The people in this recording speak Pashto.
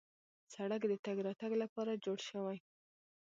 سړک د تګ راتګ لپاره جوړ شوی.